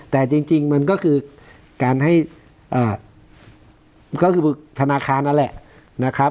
แต่จริงมันก็คือการให้ก็คือธนาคารนั่นแหละนะครับ